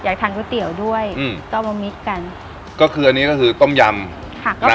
อยากทานก๋วยเตี๋ยวด้วยอืมก็เอามามิดกันก็คืออันนี้ก็คือต้มยำผักนะ